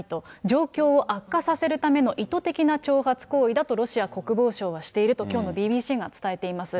状況を悪化させるための意図的な挑発行為だとロシア国防省はしていると、きょうのＢＢＣが伝えています。